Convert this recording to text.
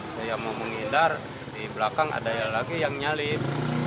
saya mau menghindar di belakang ada lagi yang nyalip